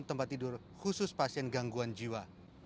dan enam tempat tidur khusus pasien gangguan jiwa